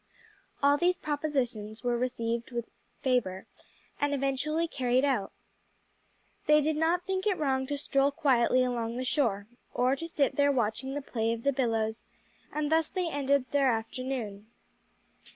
All these propositions were received with favor and eventually carried out. They did not think it wrong to stroll quietly along the shore, or to sit there watching the play of the billows, and thus they ended their afternoon.